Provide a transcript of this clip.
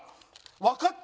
わかった！